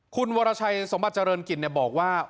คุณวรชัยสมบัติเจริญกิจบอกว่า